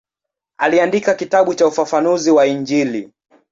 Aliandika kitabu cha ufafanuzi wa Injili.